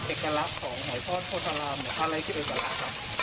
เอกลักษณ์ของหอยทอดโพธารามอะไรขึ้นออกกำลังครับ